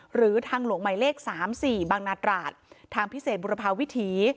หรือทางหลวงหมายเลข๓๔บางนาตราดทางพิเศษบุรพาวิถี